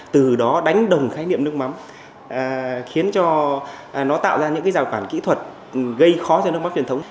từ đó đánh đồng khái niệm nước mắm khiến cho nó tạo ra những rào cản kỹ thuật gây khó cho nước mắm truyền thống